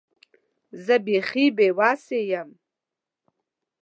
زه بیخي بې وسه یم .